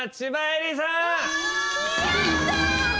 やったー！